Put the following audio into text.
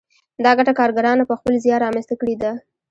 دا ګټه کارګرانو په خپل زیار رامنځته کړې ده